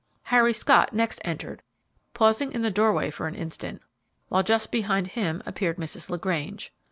Harry Scott next entered, pausing in the doorway for an instant, while just behind him appeared Mrs. LaGrange.